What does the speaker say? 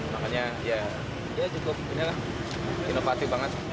makanya ya cukup inilah inovatif banget